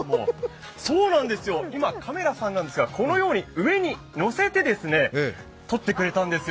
今、カメラさんなんですが、上に乗せて撮ってくれたんですよ。